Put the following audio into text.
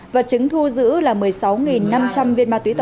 vật chứng thu giữ là một mươi sáu năm trăm linh viên ma túy